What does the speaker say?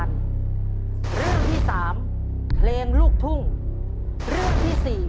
อย่างนี้นะครับ